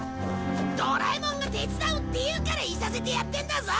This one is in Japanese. ドラえもんが手伝うって言うからいさせてやってるんだぞ！